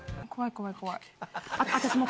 怖い怖い。